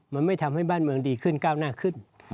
มันไม่ทำให้บ้านเมืองดีขึ้นก้าวหน้าขึ้น